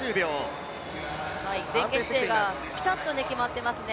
前傾姿勢がピタッと決まってますね。